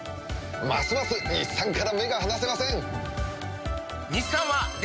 ますます日産から目が離せません！